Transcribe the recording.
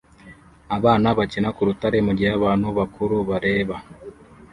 Abana bakina ku rutare mugihe abantu bakuru bareba